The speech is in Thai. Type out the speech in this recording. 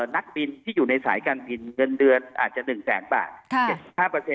นักบินที่อยู่ในสายการบินเงินเดือนอาจจะ๑แสนบาท